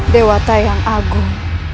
dewa tak yang agung